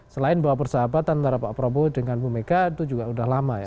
selain bahwa persahabatan antara pak prabowo dengan bu mega itu juga sudah lama ya